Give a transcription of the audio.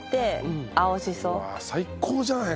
最高じゃない？